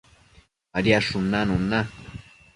Badiadshun nanun na